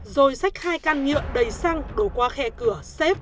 rồi xách hai căn nhựa đầy xăng đổ qua khe cửa xếp